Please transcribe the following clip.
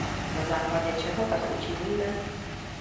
Na základě čeho tak učiníme?